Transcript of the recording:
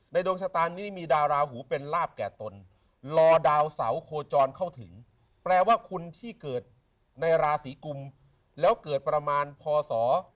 ดวงชะตานี้มีดาวราหูเป็นลาบแก่ตนรอดาวเสาโคจรเข้าถึงแปลว่าคุณที่เกิดในราศีกุมแล้วเกิดประมาณพศ๒๕